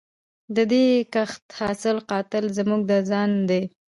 د دې کښت حاصل قاتل زموږ د ځان دی